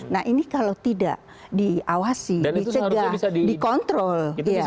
nah ini kalau tidak diawasi dicegah dikontrol